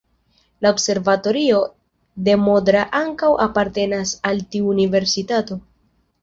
La observatorio de Modra ankaŭ apartenas al tiu universitato.